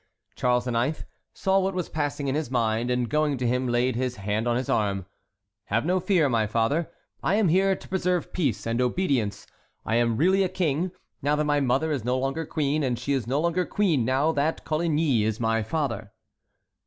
Charles IX. saw what was passing in his mind, and, going to him, laid his hand on his arm: "Have no fear, my father; I am here to preserve peace and obedience. I am really a king, now that my mother is no longer queen, and she is no longer queen now that Coligny is my father."